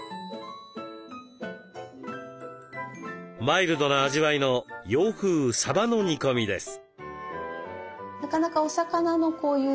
マイルドな味わいの洋風さばの煮込みです。